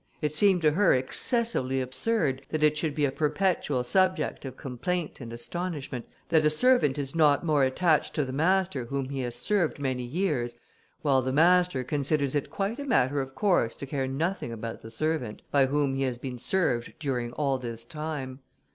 It seemed to her excessively absurd that it should be a perpetual subject of complaint and astonishment, that a servant is not more attached to the master whom he has served many years, while the master considers it quite a matter of course to care nothing about the servant, by whom he has been served during all this time.